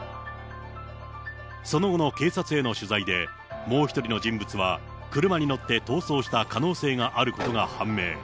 その後の警察への取材で、もう１人の人物は車に乗って逃走した可能性があることが判明。